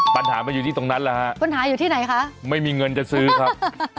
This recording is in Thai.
ปัญหามันอยู่ที่ตรงนั้นแหละฮะปัญหาอยู่ที่ไหนคะไม่มีเงินจะซื้อครับ